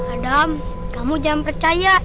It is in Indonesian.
adam kamu jangan percaya